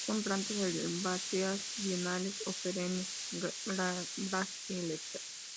Son plantas herbáceas bienales o perennes, glabras y erectas.